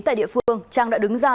tại địa phương trang đã đứng ra